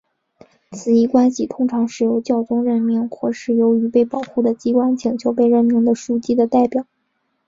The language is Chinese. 此一关系通常是由教宗任命或是由于被保护的机关请求被任命的枢机的代表。